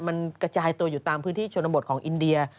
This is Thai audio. มันกระจายตัวอยู่ตามพื้นที่ชนบทของอินเดีย